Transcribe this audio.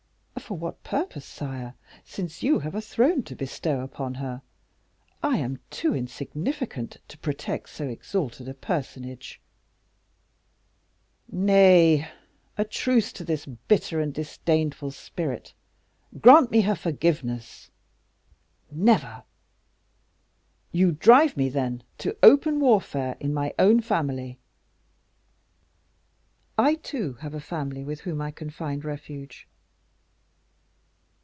"For what purpose, sire, since you have a throne to bestow upon her? I am too insignificant to protect so exalted a personage." "Nay, a truce to this bitter and disdainful spirit. Grant me her forgiveness." "Never!" "You drive me, then, to open warfare in my own family." "I, too, have a family with whom I can find refuge."